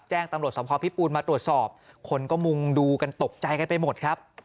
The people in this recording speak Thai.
แจ้งตำรวจสมภาพพิปูนมาตรวจสอบคนก็มุงดูกันตกใจกันไปหมดครับ